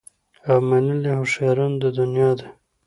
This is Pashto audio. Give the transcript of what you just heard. او منلي هوښیارانو د دنیا دي